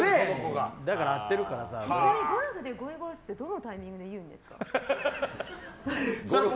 ちなみにゴルフでゴイゴイスーってどのタイミングで言うんですか？